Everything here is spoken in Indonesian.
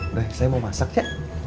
udah saya mau masak ya